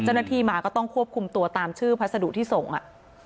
เจ้าหน้าที่มาก็ต้องควบคุมตัวตามชื่อพัสดุที่ส่งอ่ะ